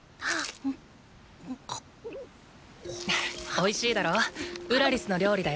おいしいだろ？ウラリスの料理だよ。